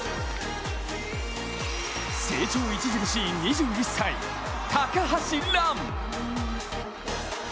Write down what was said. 成長著しい２１歳高橋藍。